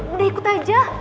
udah ikut aja